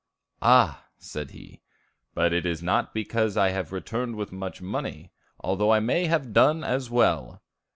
"Ah," said he, "but it is not because I have returned with much money, although I may have done as well."